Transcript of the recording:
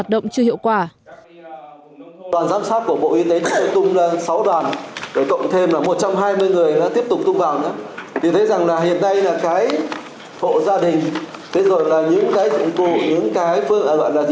động chưa hiệu quả